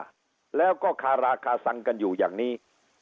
ความกระบะคาราคาสังก์กันอยู่อย่างนี้